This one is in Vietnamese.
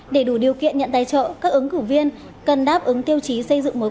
để đủ điều kiện nhận tài trợ các ứng cử viên cần đáp ứng tiêu chí xây dựng mới